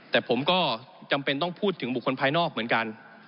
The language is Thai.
แต่ผมก็จำเป็นต้องพูดถึงบุคคลภายนอกเหมือนกัน